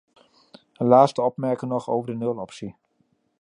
Een laatste opmerking nog over de nuloptie.